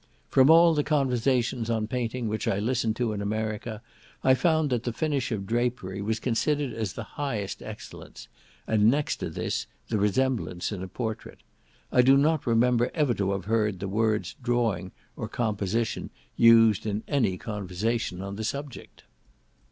From all the conversations on painting, which I listened to in America, I found that the finish of drapery was considered as the highest excellence, and next to this, the resemblance in a portrait; I do not remember ever to have heard the words drawing or composition used in any conversation on the subject.